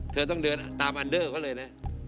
เธอต้องเดินตามอันเดอร์เขาเลยนะ